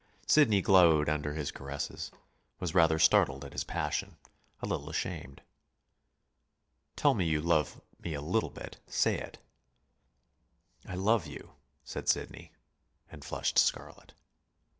Sidney glowed under his caresses was rather startled at his passion, a little ashamed. "Tell me you love me a little bit. Say it." "I love you," said Sidney, and flushed scarlet.